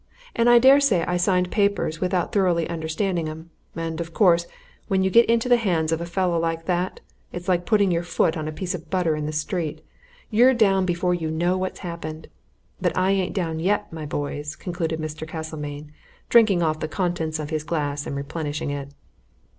And I dare say I signed papers without thoroughly understanding 'em. And, of course, when you get into the hands of a fellow like that, it's like putting your foot on a piece of butter in the street you're down before you know what's happened! But I ain't down yet, my boys!" concluded Mr. Castlemayne, drinking off the contents of his glass, and replenishing it.